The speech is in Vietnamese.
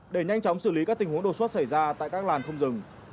để nhanh chóng xử lý các tình huống đột xuất xảy ra tại các làn không dừng